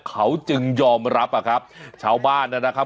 เขาจึงยอมรับอะครับชาวบ้านนะครับ